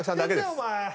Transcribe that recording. ⁉お前！